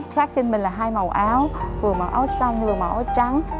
khác trên mình là hai màu áo vừa màu áo xanh vừa màu áo trắng